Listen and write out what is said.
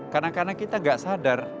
kadang kadang kita gak sadar